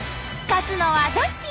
勝つのはどっち！？